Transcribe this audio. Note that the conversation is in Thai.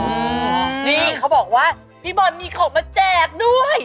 นี่เขาบอกว่าพี่บอลมีของมาแจกด้วย